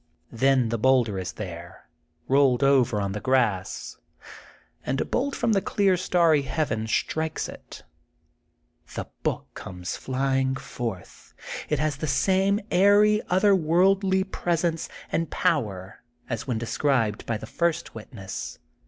Then the boulder is there, rolled over on the grass, and a bolt from the clear starry heaven strikes it. The book comes flying forth. It has the same airy, other worldly presence and power as when described by the first witness.